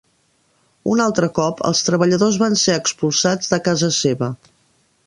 Un altre cop els treballadors van ser expulsats de casa seva.